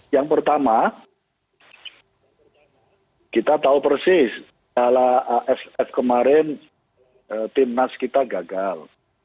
yang pertama kita tahu persis kala aff kemarin timnas kita gagal